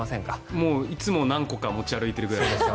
もう、いつも何個か持ち歩いてるくらいです。